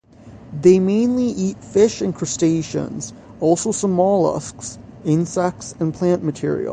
They mainly eat fish and crustaceans, also some mollusks, insects and plant material.